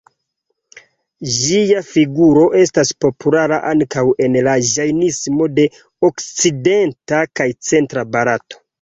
Ŝia figuro estas populara ankaŭ en la Ĝajnismo de okcidenta kaj centra Barato.